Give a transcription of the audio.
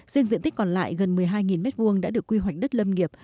riêng diện tích còn lại gần một mươi hai m hai đã được quy hoạch đất lâm nghiệp